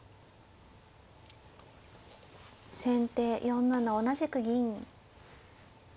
先手４七同じく銀。